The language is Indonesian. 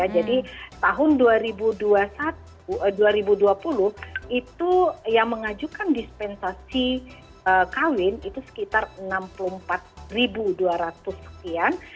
jadi tahun dua ribu dua puluh itu yang mengajukan dispensasi kawin itu sekitar enam puluh empat dua ratus sekian